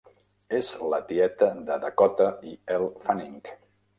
És la tieta de Dakota i Elle Fanning.